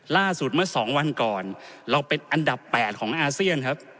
ล่าสุดเมื่อ๒วันก่อนเราเป็นอันดับ๘ของอาเซียนครับ